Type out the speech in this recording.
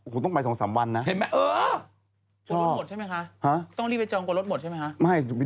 เฮ้นุ่มกัญชัยชอบไปเธอ